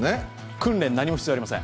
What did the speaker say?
訓練、何も必要ありません。